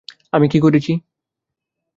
আমি কি করেছি?